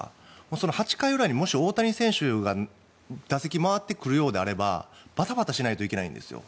その８回裏に、もし大谷選手の打席が回ってくるようならバタバタしないといけないんですよ。